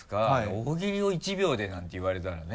大喜利を１秒でなんて言われたらね。